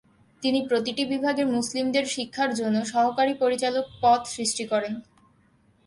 তিনি প্রতিটি বিভাগের মুসলিমদের শিক্ষার জন্য সহকারী পরিচালক পদ সৃষ্টি করেন।